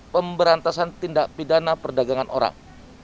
pemberantasan tindak pidana perdagangan orang